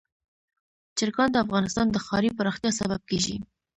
چرګان د افغانستان د ښاري پراختیا سبب کېږي.